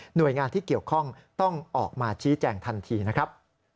โดยงานที่เกี่ยวข้องต้องออกมาชี้แจงทันทีนะครับ